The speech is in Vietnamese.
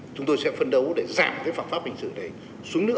chúng tôi sẽ phấn đấu để giảm cái phạm pháp hình sự đấy xuống nữa